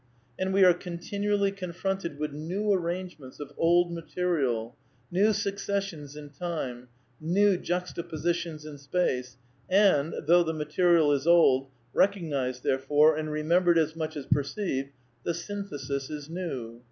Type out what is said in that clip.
And we are continually confronted with new arrangements of old material, new successions in time, new juxtapositions in space, and though the material is old, recognized, therefore, and remembered as much as per ceived, the synthesis is new.